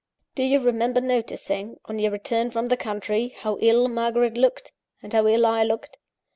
"Do you remember noticing, on your return from the country, how ill Margaret looked, and how ill I looked?